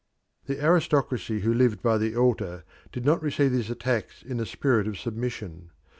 The aristocracy who lived by the altar did not receive these attacks in a spirit of submission.